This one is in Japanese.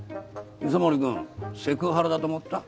磯森君セクハラだと思った？